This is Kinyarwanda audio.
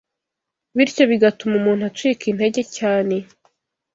bityo bigatuma umuntu acika intege cyane